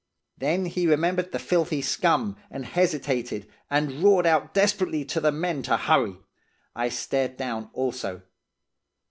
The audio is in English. Then he remembered the filthy scum, and hesitated, and roared out desperately to the men to hurry. I stared down, also.